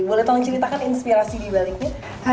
boleh tolong ceritakan inspirasi di baliknya